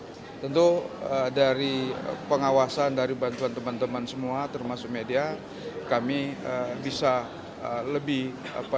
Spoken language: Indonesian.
dan tentu dari pengawasan dari bantuan teman teman semua termasuk media kami bisa lebih mencari